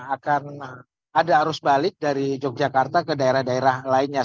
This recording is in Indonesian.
akan ada arus balik dari yogyakarta ke daerah daerah lainnya